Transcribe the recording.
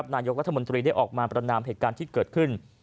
นายกรัฐมนตรีได้ออกมาประนามเหตุการณ์ที่เกิดขึ้น